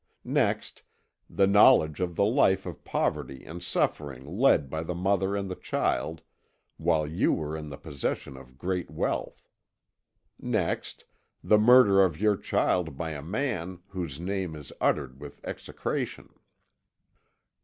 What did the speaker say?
Next, the knowledge of the life of poverty and suffering led by the mother and the child, while you were in the possession of great wealth. Next, the murder of your child by a man whose name is uttered with execration.